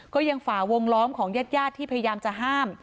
ฝ่าวงล้อมของญาติญาติที่พยายามจะห้าม